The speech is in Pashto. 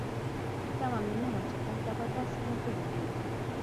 تمه مې نه وه چې دلته به داسې وګړي وي.